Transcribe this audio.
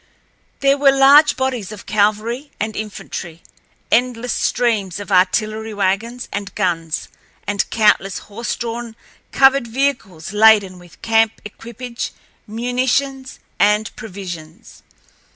There were large bodies of cavalry and infantry, endless streams of artillery wagons and guns, and countless horse drawn covered vehicles laden with camp equipage, munitions, and provisions.